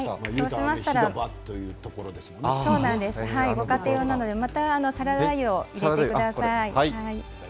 ご家庭用なのでまたサラダ油を入れてください。